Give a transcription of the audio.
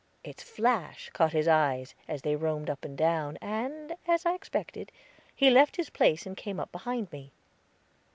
Its flash caught his eyes, as they roamed up and down, and, as I expected, he left his place and came up behind me.